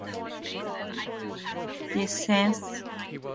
This sentence does not use The Past Perfect tense.